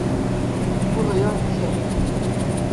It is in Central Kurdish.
کوڕە یان کچە؟